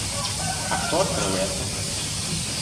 А кто открыл это?